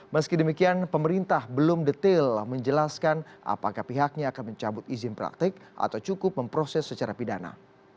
meski demikian pemerintah belum detail menjelaskan apakah pihaknya akan mencabut izin praktik atau cukup memproses secara pidana